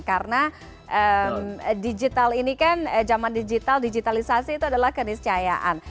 karena digital ini kan zaman digital digitalisasi itu adalah keniscayaan